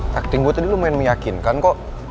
acting gue tadi lumayan meyakinkan kok